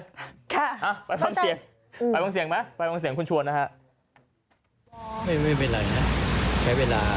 ฮะไปฟังเสียงไปฟังเสียงไหมไปฟังเสียงคุณชวนนะฮะ